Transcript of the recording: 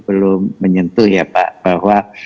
belum menyentuh ya pak bahwa